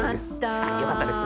よかったです